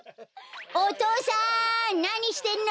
お父さんなにしてんの？